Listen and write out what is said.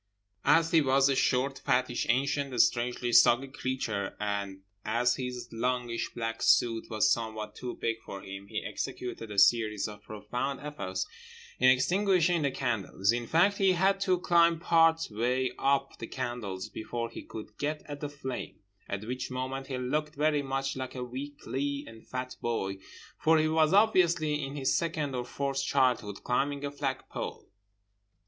As he was a short, fattish, ancient, strangely soggy creature and as his longish black suit was somewhat too big for him, he executed a series of profound efforts in extinguishing the candles. In fact he had to climb part way up the candles before he could get at the flame; at which moment he looked very much like a weakly and fat boy (for he was obviously in his second or fourth childhood) climbing a flag pole.